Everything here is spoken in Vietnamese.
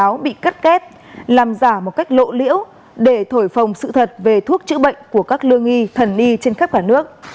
những quảng cáo bị cắt kép làm giả một cách lộ lĩu để thổi phồng sự thật về thuốc chữa bệnh của các lương y thần y trên khắp cả nước